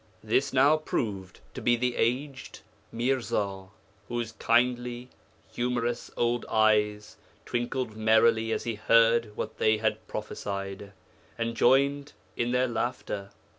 'This now proved to be the aged Mirza, whose kindly, humorous old eyes twinkled merrily as he heard what they had prophesied, and joined in their laughter.